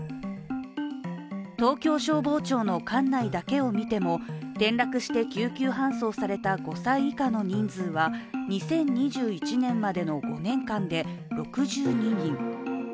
東京消防庁の管内だけをみても転落して救急搬送された５歳以下の人数は２０２１年までの５年間で６２人。